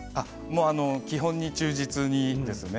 基本に忠実にですね。